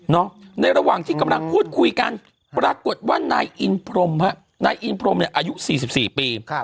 นอกในระหว่างที่กำลังพูดคุยกันปรากฏว่านายอินพรมอายุ๔๔ปี